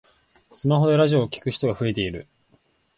スマホでラジオを聞く人が増えている